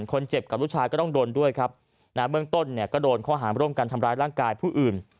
คนเจ็บกับลูกชายก็ต้องโดนด้วยครับนะเบื้องต้นเนี่ยก็โดนข้อหารร่วมกันทำร้ายร่างกายผู้อื่น